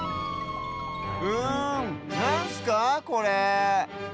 うんなんすかこれ？